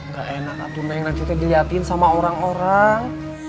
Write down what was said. gak enak lah tuh neng nanti kita diliatin sama orang orang